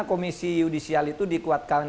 komisi judicial itu dikuatkan